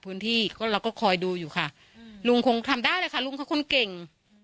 พื้นที่ก็เราก็คอยดูอยู่ค่ะลุงคงทำได้เลยค่ะลุงเขาคนเก่ง